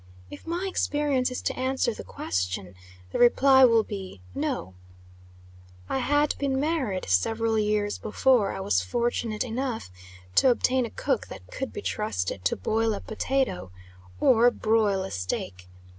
If my experience is to answer the question, the reply will be no. I had been married several years before I was fortunate enough to obtain a cook that could be trusted to boil a potato, or broil a steak.